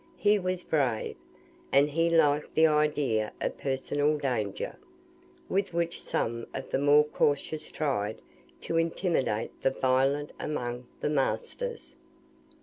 He was brave, and he liked the idea of personal danger, with which some of the more cautious tried to intimidate the violent among the masters.